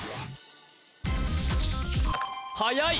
はやい